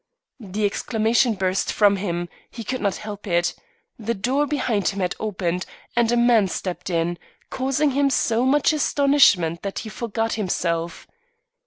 The exclamation burst from him. He could not help it. The door behind him had opened, and a man stepped in, causing him so much astonishment that he forgot himself.